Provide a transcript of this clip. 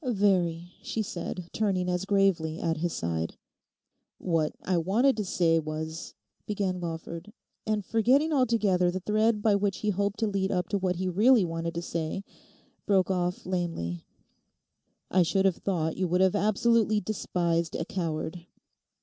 'Very,' she said, turning as gravely at his side. 'What I wanted to say was—' began Lawford, and forgetting altogether the thread by which he hoped to lead up to what he really wanted to say, broke off lamely; 'I should have thought you would have absolutely despised a coward.